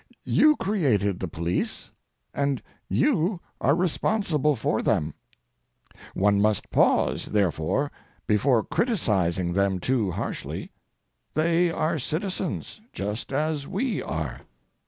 You created the police, and you are responsible for them. One must pause, therefore, before criticising them too harshly. They are citizens, just as we are.